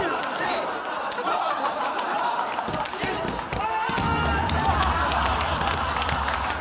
・あ！